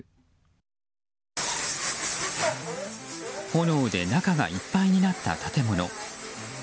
炎で中がいっぱいになった建物。